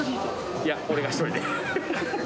いや、俺が１人で。